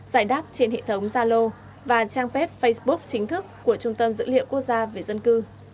giải đáp trên hệ thống gia lô và trang phép facebook chính thức